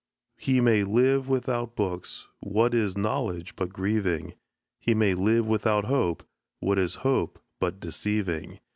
He may live without books what is knowledge but grieving? He may live without hope what is hope but deceiving?